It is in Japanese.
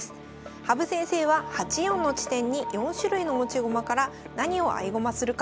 羽生先生は８四の地点に４種類の持ち駒から何を合駒するか。